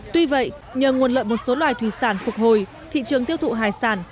tuy vậy nhờ nguồn lợi một số loài thủy sản phục hồi thị trường tiêu thụ hải sản